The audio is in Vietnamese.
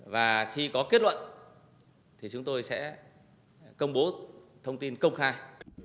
và khi có kết luận thì chúng tôi sẽ công bố thông tin công khai